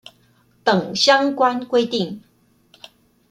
等相關規定